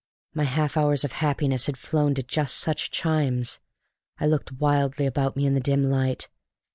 My half hours of happiness had flown to just such chimes! I looked wildly about me in the dim light.